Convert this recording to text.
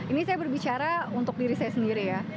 ini saya berbicara untuk diri saya sendiri ya